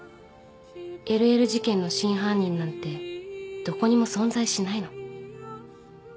ＬＬ 事件の真犯人なんてどこにも存在しないの